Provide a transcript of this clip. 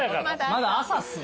まだ朝っすね